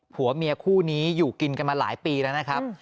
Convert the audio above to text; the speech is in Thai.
ผัวเมียคู่นี้อยู่กินกันมาหลายปีแล้วนะครับ